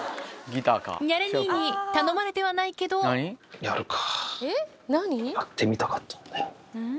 ニャレ兄に頼まれてはないけどやるか。